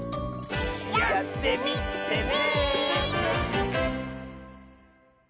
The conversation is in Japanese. やってみてね！